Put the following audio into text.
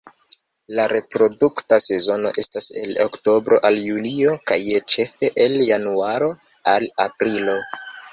La reprodukta sezono estas el oktobro al junio kaj ĉefe el januaro al aprilo.